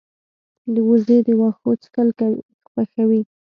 وزې د واښو څکل خوښوي